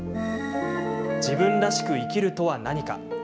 自分らしく生きるとは何か？